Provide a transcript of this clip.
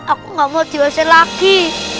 aku gak mau diusir lagi